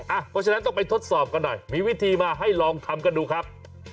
เพราะฉะนั้นต้องไปทดสอบกันหน่อยมีวิธีมาให้ลองทำกันดูครับ